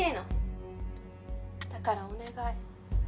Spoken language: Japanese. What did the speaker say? だからお願い。